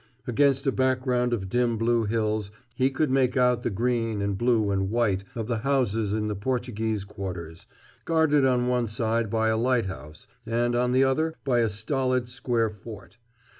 Against a background of dim blue hills he could make out the green and blue and white of the houses in the Portuguese quarters, guarded on one side by a lighthouse and on the other by a stolid square fort.